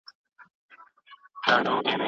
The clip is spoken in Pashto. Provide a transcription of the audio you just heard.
کهکشانونه یې په کسیو کې درونه څرخي